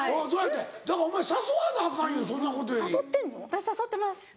私誘ってます。